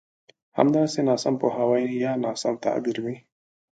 همداسې ناسم پوهاوی يا ناسم تعبير وي.